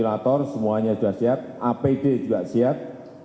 velator semuanya sudah siap apd juga siap